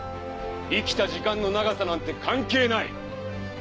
生きた時間の長さなんて関係ない。